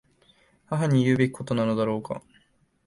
母に言うべきことなのだろうか。